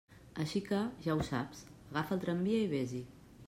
Així que, ja ho saps, agafa el tramvia i vés-hi!